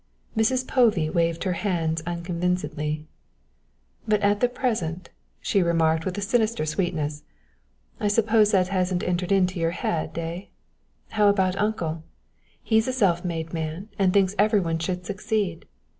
Mrs. Povey waved her hands unconvincedly. "But the present," she remarked with a sinister sweetness. "I suppose that hasn't entered into your head, eh? How about uncle? he's a self made man and thinks everyone should succeed.